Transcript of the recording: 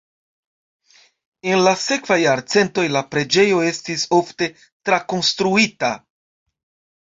En la sekvaj jarcentoj la preĝejo estis ofte trakonstruita.